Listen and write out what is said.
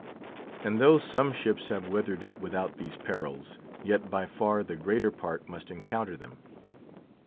And though some ships have weathered it without these perils, yet by far the greater part must encounter them.